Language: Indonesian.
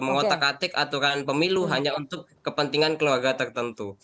mengotak atik aturan pemilu hanya untuk kepentingan keluarga tertentu